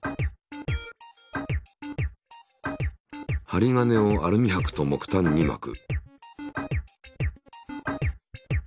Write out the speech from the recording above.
針金をアルミはくと木炭に巻く。